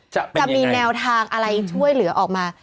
จะมีแนวทางอะไรช่วยเหลือออกมา